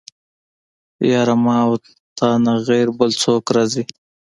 يره ما او تانه غير بل څوک راځي.